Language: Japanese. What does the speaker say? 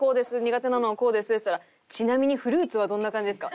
苦手なのはこうです」って言ったら「ちなみにフルーツはどんな感じですか？」。